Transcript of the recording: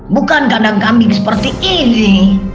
bukan kandang kambing seperti ini